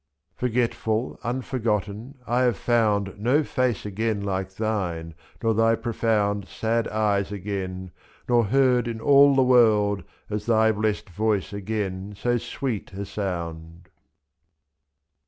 87 Forgetful unf or gotten^ I have found No face again like thine ^ nor thy profound 2 (J. Sad eyes again, nor heard in all the world As thy blest voice again so sweet a sound.